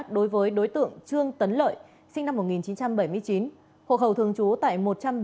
đối với đối tượng trương tấn lợi sinh năm một nghìn chín trăm bảy mươi chín hộ khẩu thường trú tại một trăm bốn mươi